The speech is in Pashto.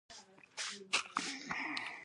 نرخ مڼې مشهورې دي؟